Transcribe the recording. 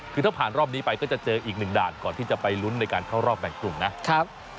คือถ้าผ่านรอบนี้ไปก็จะเจออีกหนึ่งด่านก่อนที่จะไปลุ้นในการเข้ารอบแบ่งกลุ่มนะครับ